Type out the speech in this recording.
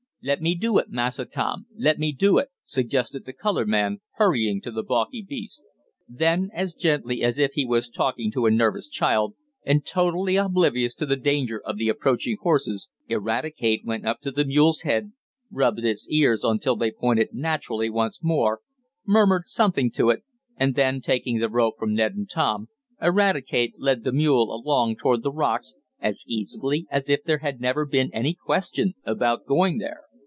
"Let me do it, Massa Tom. Let me do it," suggested the colored man hurrying to the balky beast. Then, as gently as if he was talking to a nervous child, and totally oblivious to the danger of the approaching horses, Eradicate went up to the mule's head, rubbed its ears until they pointed naturally once more, murmured something to it, and then, taking the rope from Ned and Tom, Eradicate led the mule along toward the rocks as easily as if there had never been any question about going there.